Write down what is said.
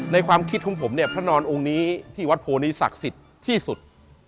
ความคิดของผมเนี่ยพระนอนองค์นี้ที่วัดโพนี้ศักดิ์สิทธิ์ที่สุด